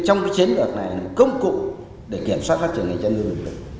trong cái chiến lược này là công cụ để kiểm soát phát triển ngành chăn nuôi